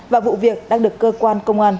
và vụ việc đang được cơ quan công an